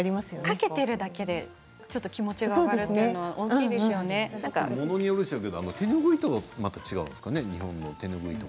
掛けているだけで気持ちが上がるというのはものによるんでしょうけど日本の手拭いとはまた違うんですかね？